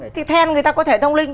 thì thèn người ta có thể thông linh